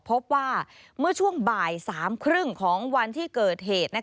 พบว่าเมื่อช่วงบ่าย๓๓๐ของวันที่เกิดเหตุ